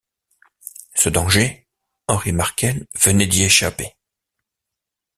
Ce danger, Harry Markel venait d’y échapper.